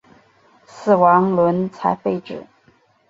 死亡轮才废止。